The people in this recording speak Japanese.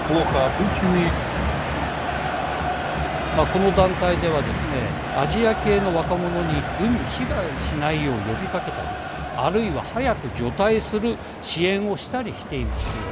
この団体ではですねアジア系の若者に軍に志願しないよう呼びかけたりあるいは、早く除隊する支援をしたりしています。